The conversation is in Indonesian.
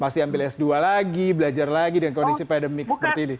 masih ambil s dua lagi belajar lagi dengan kondisi pandemik seperti ini